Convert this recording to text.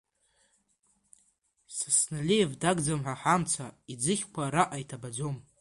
Сосналиев дагӡам ҳа ҳамца, иӡыхьқәа араҟа иҭабаӡом.